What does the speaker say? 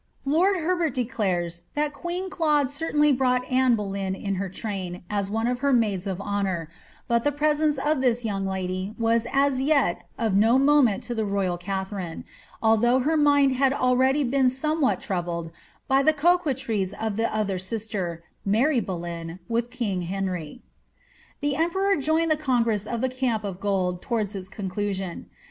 Lord Herbert declares that queen Claude certainly brought Anne Bole3m in her train as one of her maids of honour ; but the presence of this young lady was as yet of no moment to the royal Katharinci although her mind had already been somewhat troubled by the coquetries of the other sister, Mary Bole}^, with king Henry. I'he emperor joined the congress of ttte Camp of Gold towards its conclusion.